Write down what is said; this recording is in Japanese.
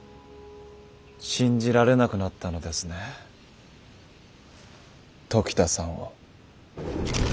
信じられなくなったのですね時田さんを。